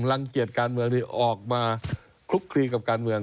รังเกียจการเมืองที่ออกมาคลุกคลีกับการเมือง